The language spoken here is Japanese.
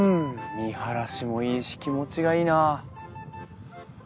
見晴らしもいいし気持ちがいいな。